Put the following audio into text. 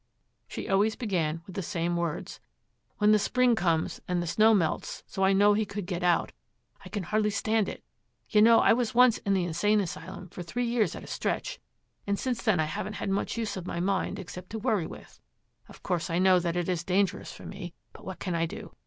She always began with the same words. 'When spring comes and the snow melts so that I know he could get out, I can hardly stand it. You know I was once in the Insane Asylum for three years at a stretch, and since then I haven't had much use of my mind except to worry with. Of course I know that it is dangerous for me, but what can I do?